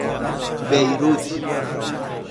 بیروت